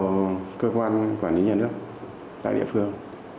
của cơ quan quản lý nhà nước tại địa phương